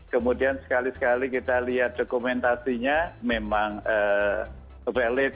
kemudian sekali sekali kita lihat dokumentasinya memang valid